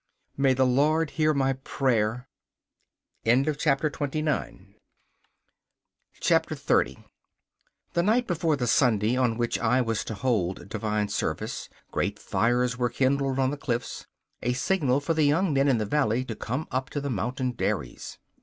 May the Lord hear my prayer! 30 The night before the Sunday on which I was to hold divine service great fires were kindled on the cliffs a signal for the young men in the valley to come up to the mountain dairies.